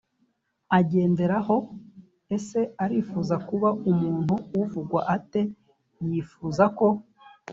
agenderaho ese arifuza kuba umuntu uvugwa ate yifuza ko